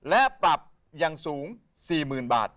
และปรับอย่างสูง๔๐๐๐บาท